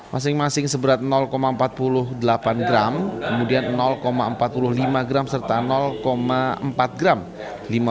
masing masing seberat empat puluh delapan gram kemudian empat puluh lima gram serta empat gram